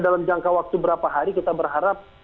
dalam jangka waktu berapa hari kita berharap